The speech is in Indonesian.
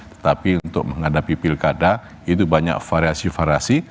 tetapi untuk menghadapi pilkada itu banyak variasi variasi